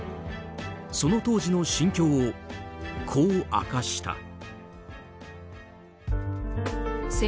その当時の心境を、こう明かした。